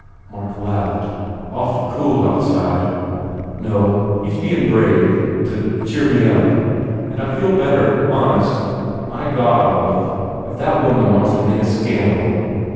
Mark laughed, "Awful cool outside. No, he s bein brave to cheer me up. And I feel better, 265 TH E FAIR REWARDS honest. ... My God, Olive, if that woman wants to make a scandal!"